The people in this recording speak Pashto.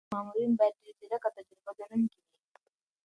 د ګمرک مامورین باید ډېر ځیرک او تجربه لرونکي وي.